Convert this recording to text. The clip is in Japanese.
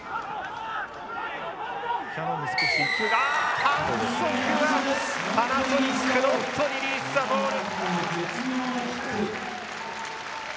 反則はパナソニックノットリリースザボール。